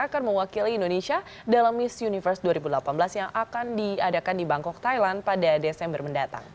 akan mewakili indonesia dalam miss universe dua ribu delapan belas yang akan diadakan di bangkok thailand pada desember mendatang